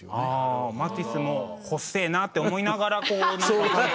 マティスも細えなって思いながらこう。